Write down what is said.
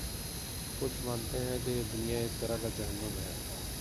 کچھ مانتے ہیں کہ یہ دنیا ایک طرح کا جہنم ہے۔